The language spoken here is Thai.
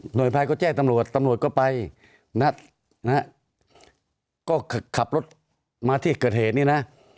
โดยภายก็แจ้งตำรวจตำรวจก็ไปนัดนะฮะก็ขับรถมาที่เกิดเหตุนี้นะ